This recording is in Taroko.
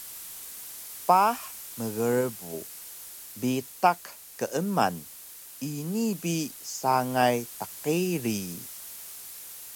Paah mgrbu bitaq keeman ini bi sangay tqiri